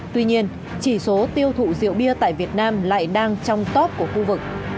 tuy nhiên chỉ số tiêu thụ rượu bia tại việt nam lại đang trong top của khu vực